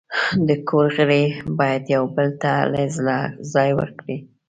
د کور غړي باید یو بل ته له زړه ځای ورکړي.